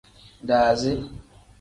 Daazi.